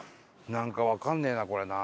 なんかわかんねえなこれな。